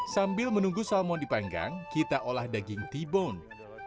sambil menunggu salmon dipanggang kita olah daging t bone